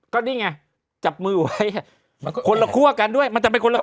ก็นี่ไงจับมือไว้คนละครัวกันด้วยมันจะเป็นคนละครัวกัน